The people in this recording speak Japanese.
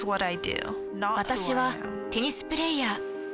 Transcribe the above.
私はテニスプレイヤー。